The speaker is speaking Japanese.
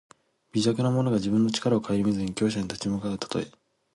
微弱な者が自分の力をかえりみずに強者に立ち向かうたとえ。